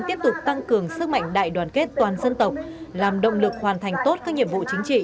tiếp tục tăng cường sức mạnh đại đoàn kết toàn dân tộc làm động lực hoàn thành tốt các nhiệm vụ chính trị